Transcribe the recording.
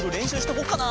こうかな？